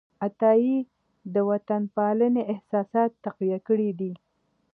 عطايي د وطنپالنې احساسات تقویه کړي دي.